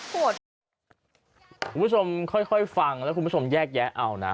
คุณผู้ชมค่อยฟังแล้วคุณผู้ชมแยกแยะเอานะ